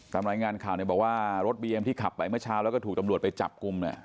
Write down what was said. ตามรายงานข่าวเนี่ยบอกว่ารถบีเอ็มที่ขับไปเมื่อเช้าแล้วก็ถูกตำรวจไปจับกลุ่มเนี่ย